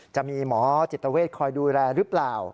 จะมีหมอจิตเวทคอยดูแลหรือเปล่า